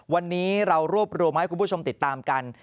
วันนี้เรารวบรวมให้คุณผู้ชมติดตามกัน